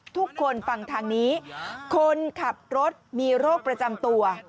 ทุกคนฟังทางนี้คนขับรถมีโรคประจำตัว